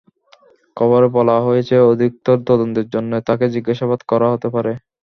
খবরে বলা হয়েছে, অধিকতর তদন্তের জন্য তাঁকে জিজ্ঞাসাবাদ করা হতে পারে।